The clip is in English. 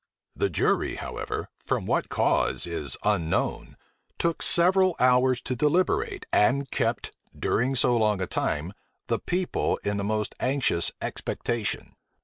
The jury, however, from what cause is unknown, took several hours to deliberate, and kept, during so long a time, the people in the most anxious expectation.